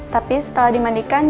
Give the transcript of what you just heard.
tapi setelah dimandikan